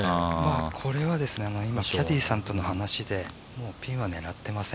これはキャディーさんとの話でピンは狙っていません。